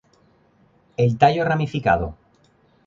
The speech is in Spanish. El tallo ramificado.